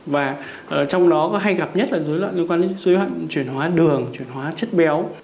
và trong đó hay gặp nhất là dối loạn chuyển hóa đường chuyển hóa chất béo